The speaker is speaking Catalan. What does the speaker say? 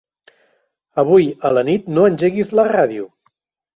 Avui a la nit no engeguis la ràdio.